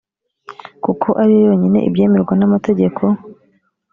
kuko ariyo yonyine ibyemererwa n amategeko